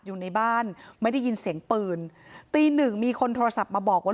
อยู่ในบ้านไม่ได้ยินเสียงปืนตีหนึ่งมีคนโทรศัพท์มาบอกว่า